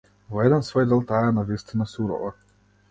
Во еден свој дел таа е навистина сурова.